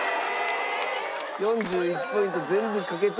４１ポイント全部かけて。